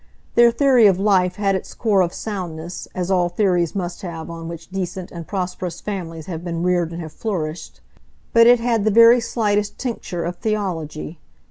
Their theory of life had its core of soundness, as all theories must have on which decent and prosperous families have been reared and have flourished; but it had the very slightest tincture of theology.